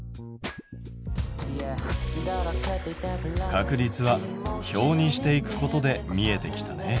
確率は表にしていくことで見えてきたね。